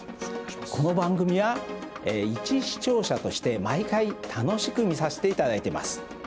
この番組はいち視聴者として毎回楽しく見させていただいてます。